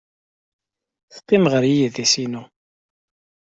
Teqqim ɣer yidis-inu.